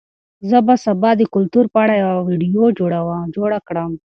زه به سبا د کلتور په اړه یوه ویډیو جوړه کړم.